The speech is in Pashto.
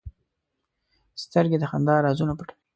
سترګې د خندا رازونه پټوي